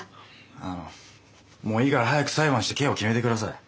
あのもういいから早く裁判して刑を決めてください。